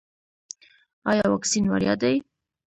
ایا واکسین وړیا دی؟